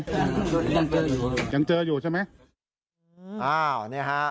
ยังเจออยู่ยังเจออยู่ใช่ไหม